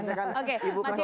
mas passionnya tidak di sana